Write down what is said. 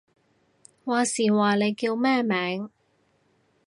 話時話，你叫咩名？